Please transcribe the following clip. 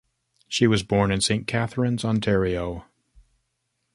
She was born in Saint Catharines, Ontario.